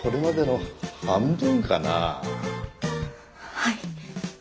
はい。